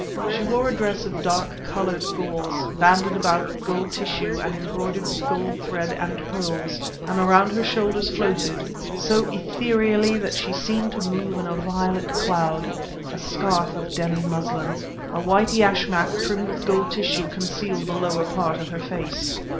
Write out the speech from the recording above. She wore a dress of dark lilac colored gauze, banded about with gold tissue and embroidered with gold thread and pearls; and around her shoulders floated, so ethereally that she seemed to move in a violet cloud; a scarf of Delhi muslin. A white yashmak trimmed with gold tissue concealed the lower part of her face.